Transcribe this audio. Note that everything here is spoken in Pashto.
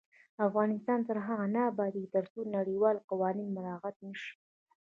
افغانستان تر هغو نه ابادیږي، ترڅو نړیوال قوانین مراعت نشي.